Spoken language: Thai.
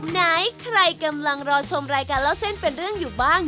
ไหนใครกำลังรอชมรายการเล่าเส้นเป็นเรื่องอยู่บ้าง